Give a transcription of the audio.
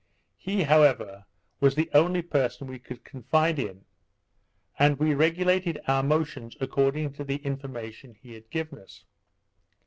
He, however, was the only person we could confide in. And we regulated our motions according to the information he had given us.